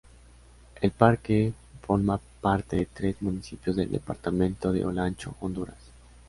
El parque forma parte de tres municipios del departamento de Olancho, Honduras.